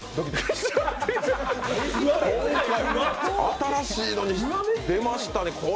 今回、新しいの、出ましたね。